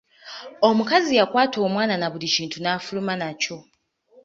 Omukazi yakwata omwana na buli kintu nafuluma nakyo.